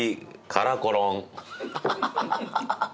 「カラコロン」。